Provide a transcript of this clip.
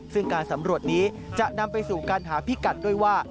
ซึ่งการสำรวจนี้จะนำไปสู่การหาพิกัดด้วยว่า